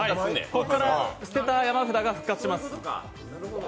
ここから捨てた山札が復活します。